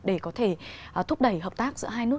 để có thể thúc đẩy hợp tác giữa hai nước